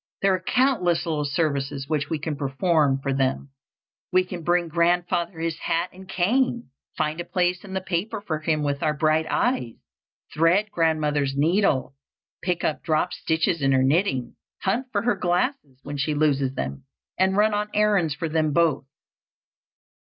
There are countless little services which we can perform for them: we can bring grandfather his hat and cane, find a place in the paper for him with our bright eyes, thread grandmother's needle, pick up dropped stitches in her knitting, hunt for her glasses when she loses them, and run on errands for them both.